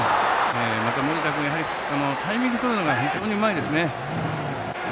また、森田君タイミング取るのが非常にうまいですね。